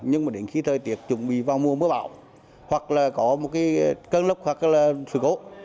nhưng mà đến khi thời tiết chuẩn bị vào mùa mưa bão hoặc là có một cái cơn lốc hoặc là sự cố